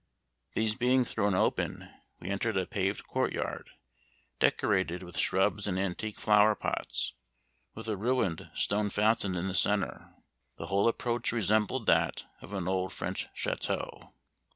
These being thrown open, we entered a paved court yard, decorated with shrubs and antique flowerpots, with a ruined stone fountain in the centre. The whole approach resembled that of an old French chateau.